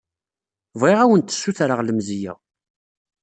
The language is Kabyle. Bɣiɣ ad awent-ssutreɣ lemzeyya.